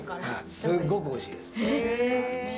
すごくおいしいです。